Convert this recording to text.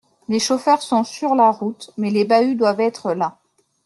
les chauffeurs sont sur la route. Mais les bahuts doivent être là.